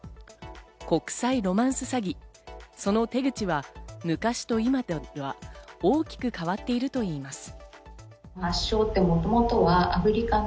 国際ロマンス詐欺、その手口は昔と今では大きく変わっているといいます。